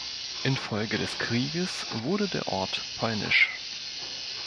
Infolge des Krieges wurde der Ort polnisch.